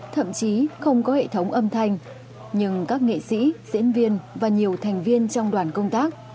thậm chí không có hệ thống âm thanh nhưng các nghệ sĩ diễn viên và nhiều thành viên trong đoàn công tác